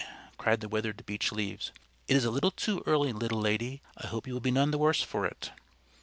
cried the withered Beech Leaves. "It is a little too early, little lady. I hope you will be none the worse for it."